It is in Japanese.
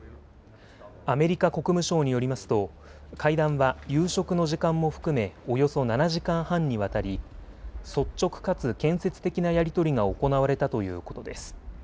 アメリカ国務省によりますと会談は夕食の時間も含めおよそ７時間半にわたり率直かつ建設的なやり取りが行われたということです。